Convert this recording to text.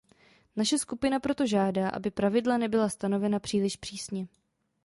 Naše skupina proto žádá, aby pravidla nebyla stanovena příliš přísně.